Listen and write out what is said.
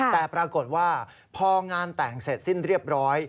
แต่ปรากฏว่าพองานแต่งเสร็จสิ้นเรียบร้อย